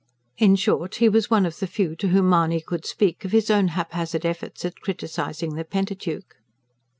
In short, he was one of the few to whom Mahony could speak of his own haphazard efforts at criticising the Pentateuch.